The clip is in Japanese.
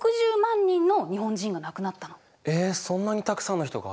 そんなにたくさんの人が！？